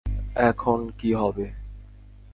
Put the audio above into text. এখন কী হবে?